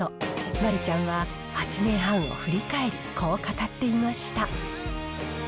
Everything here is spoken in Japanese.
丸ちゃんは８年半を振り返り、こう語っていました。